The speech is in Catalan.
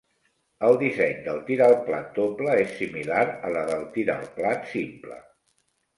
El disseny del tir al plat doble és similar a la del tir al plat simple.